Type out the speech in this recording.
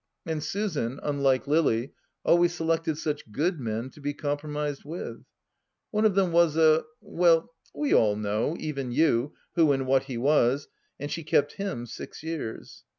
And Susan, unlike Lily, always selected such good men to be compromised with. One of them was a — well, we all know, even you, who and what he was — and she kept him six years.